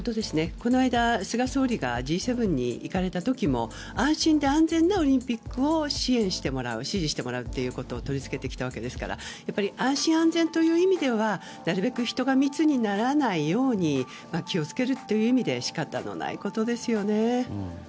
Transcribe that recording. この間、菅総理がＧ７に行かれた時も安心で安全なオリンピックを支援してもらう支持してもらうということを取り付けてきたわけですから安心・安全という意味ではなるべく人が密にならないように気をつけるという意味で仕方のないことですよね。